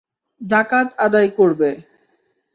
যাকাত আদায় করবে।